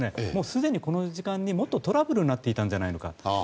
既にこの時間にもっとトラブルになっていたんじゃないか。